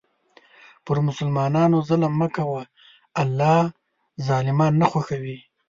پر مسلمانانو ظلم مه کوه، الله ظالمان نه خوښوي.